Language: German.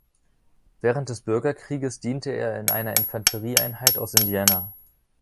Während des Bürgerkrieges diente er in einer Infanterieeinheit aus Indiana.